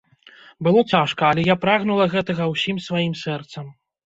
Было цяжка, але я прагнула гэтага ўсім сваім сэрцам.